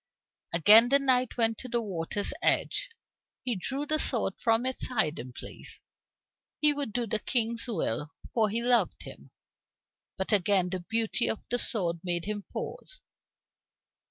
Again the knight went to the water's edge. He drew the sword from its hiding place. He would do the King's will, for he loved him. But again the beauty of the sword made him pause.